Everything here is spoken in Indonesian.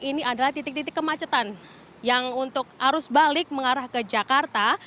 ini adalah titik titik kemacetan yang untuk arus balik mengarah ke jakarta